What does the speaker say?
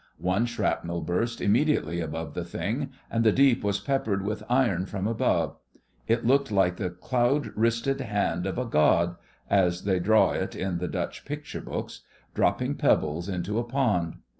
One shrapnel burst immediately above the thing, and the deep was peppered with iron from above. It looked like the cloud wristed hand of a god (as they draw it in the Dutch picture books) dropping pebbles into a pond.